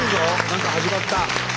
何か始まった。